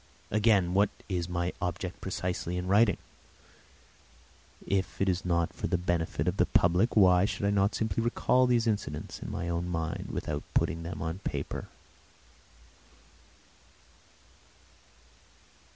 Again, what is my object precisely in writing? If it is not for the benefit of the public why should I not simply recall these incidents in my own mind without putting them on paper?